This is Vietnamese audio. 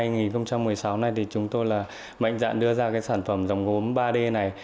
năm hai nghìn một mươi sáu này thì chúng tôi là mạnh dạn đưa ra cái sản phẩm dòng gốm ba d này